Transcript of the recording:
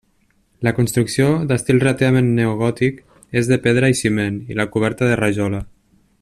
La construcció, d'estil relativament neogòtic, és de pedra i ciment i la coberta de rajola.